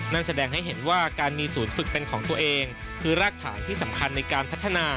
นั่นแสดงให้เห็นว่าการมีศูนย์ฝึกเป็นของตัวเองคือรากฐานที่สำคัญในการพัฒนา